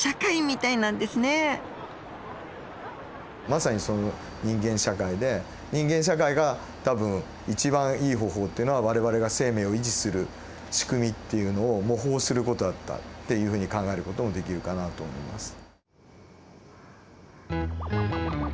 まさにその人間社会で人間社会が多分一番いい方法っていうのは我々が生命を維持する仕組みっていうのを模倣する事だったっていうふうに考える事もできるかなと思います。